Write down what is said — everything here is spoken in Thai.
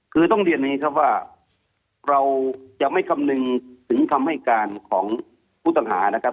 คือต้องเรียนอย่างนี้ครับว่าเราจะไม่คำนึงถึงคำให้การของผู้ต้องหานะครับ